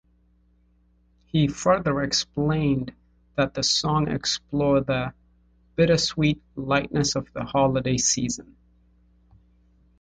He further explained that the songs explore the "bittersweet lightness of the holiday season".